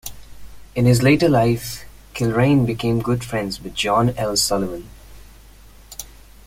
In his later life, Kilrain became good friends with John L. Sullivan.